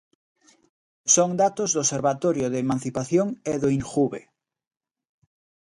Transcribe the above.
Son datos do Observatorio de Emancipación e do Injuve.